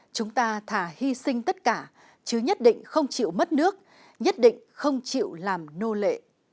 chúng ta thà hy sinh tất cả chứ nhất định không chịu mất nước nhất định không chịu làm nô lệ